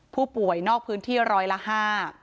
ผู้ป่วยนอกพื้นที่ร้อยละห้า